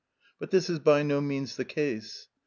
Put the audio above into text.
But this is by no means the case.